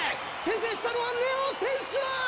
先制したのはレオ選手だ！